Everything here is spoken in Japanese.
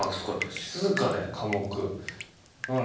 「静かで寡黙」